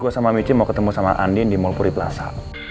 gue sama michi mau ketemu sama andien di mall puriplasa